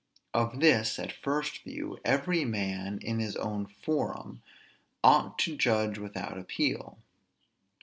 Of this, at first view, every man, in his own forum, ought to judge without appeal.